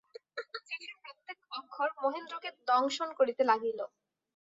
চিঠির প্রত্যেক অক্ষর মহেন্দ্রকে দংশন করিতে লাগিল।